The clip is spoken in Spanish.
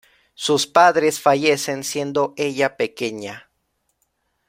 Sus padres fallecen siendo ella pequeña.